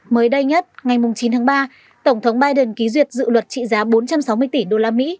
mới đây nhất ngày chín tháng ba tổng thống biden ký duyệt dự luật trị giá bốn trăm sáu mươi tỷ usd